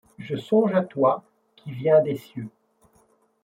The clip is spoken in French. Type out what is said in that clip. Je songe à toi, qui viens des cieux